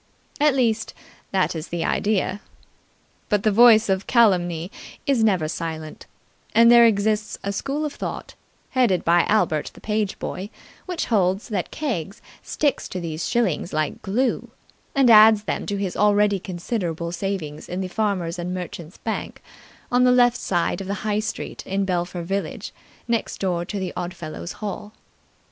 At least, that is the idea. But the voice of calumny is never silent, and there exists a school of thought, headed by Albert, the page boy, which holds that Keggs sticks to these shillings like glue, and adds them to his already considerable savings in the Farmers' and Merchants' Bank, on the left side of the High Street in Belpher village, next door to the Oddfellows' Hall.